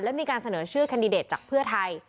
และมีการเสนอชื่อแคนดิเดตจากเพื่อไทย